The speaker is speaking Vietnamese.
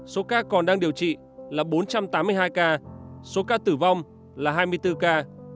số ca còn đang điều trị là bốn trăm tám mươi hai ca số ca tử vong là hai mươi bốn ca